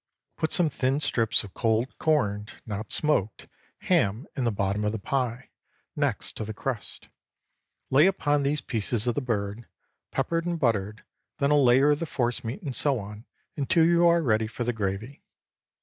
Put some thin strips of cold corned (not smoked) ham in the bottom of the pie, next to the crust; lay upon these pieces of the bird, peppered and buttered, then a layer of the force meat, and so on, until you are ready for the gravy.